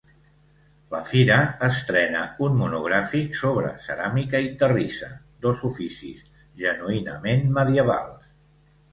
La fira estrena un monogràfic sobre ceràmica i terrissa, dos oficis genuïnament medievals.